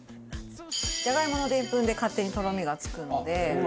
「ジャガイモのでんぷんで勝手にとろみがつくので」